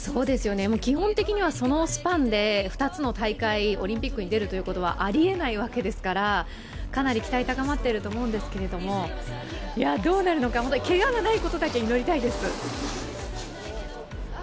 基本的にはそのスパンで２つの大会、オリンピックに出るということはありえないわけですからかなり期待が高まっていると思うんですけれども、どうなるのか、けががないことだけ祈りたいです。